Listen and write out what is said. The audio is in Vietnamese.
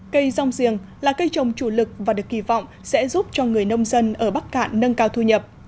cây rong giềng là cây trồng chủ lực và được kỳ vọng sẽ giúp cho người nông dân ở bắc cạn nâng cao thu nhập